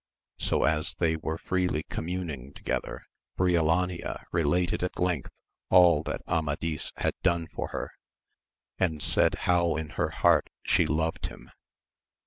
So as they were freely communing together, Briolania related at length all that Amadis had done for her, and said how in her heart she loved him.